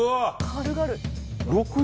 軽々。